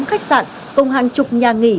tám khách sạn cùng hàng chục nhà nghỉ